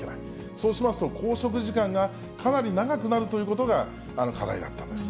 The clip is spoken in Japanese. そうしますと、拘束時間がかなり長くなるということが課題だったんです。